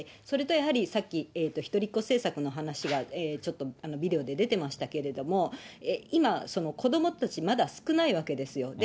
それとやはり、さっき一人っ子政策の話がちょっとビデオで出てましたけれども、今、子どもたち、まだ少ないわけですよ。